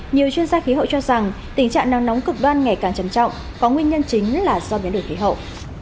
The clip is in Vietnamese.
nhiều chuyên gia khí hậu cho rằng tình trạng nắng nóng cực đoan ngày càng trầm trọng có nguyên nhân chính là do biến đổi khí hậu